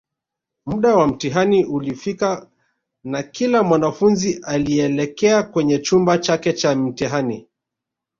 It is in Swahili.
Muda wa mtihani ulifika na kila mwanafunzi alielekea kwenye chumba chake Cha mtihani